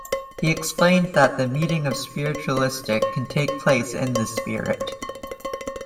He explains that The meeting of spiritualistic can take place in the Spirit.